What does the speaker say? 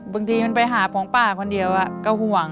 บางทีมันไปหาของป้าคนเดียวก็ห่วง